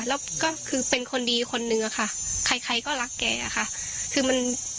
แล้วก็คือเป็นคนดีคนหนึ่งอ่ะค่ะใครก็รักแกอ่ะค่ะ